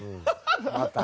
また？